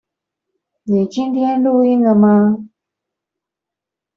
你今天錄音了嗎？